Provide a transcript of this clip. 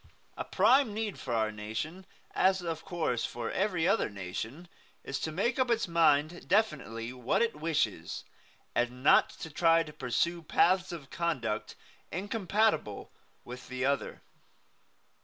A prime need for our nation, as of course for every other nation, is to make up its mind definitely what it wishes, and not to try to pursue paths of conduct incompatible one with the other.